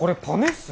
っす